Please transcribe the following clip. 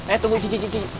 eh tunggu cici